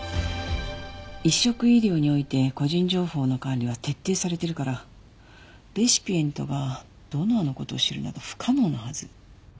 移植医療において個人情報の管理は徹底されてるからレシピエントがドナーの事を知るのは不可能なはず。